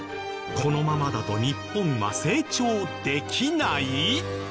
このままだと日本は成長できない？